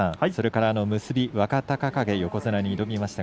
結び、若隆景、横綱に挑みました。